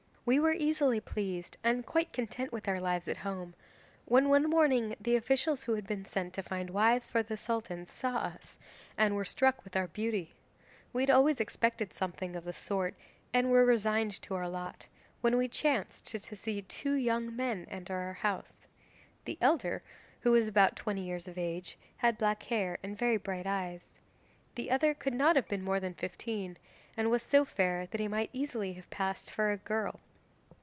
'We were easily pleased and quite content with our lives at home, when one morning the officials who had been sent to find wives for the Sultan saw us, and were struck with our beauty. We had always expected something of the sort, and were resigned to our lot, when we chanced to see two young men enter our house. The elder, who was about twenty years of age, had black hair and very bright eyes. The other could not have been more than fifteen, and was so fair that he might easily have passed for a girl.